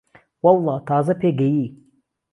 وهڵڵا تازه پێگهیی